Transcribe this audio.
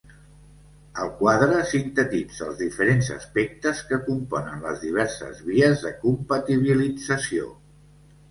El quadre sintetitza els diferents aspectes que componen les diverses vies de compatibilització.